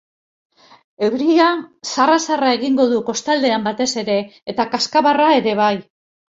Euria zarra-zarra egingo du, kostaldean batez ere, eta kazkabarra ere bai.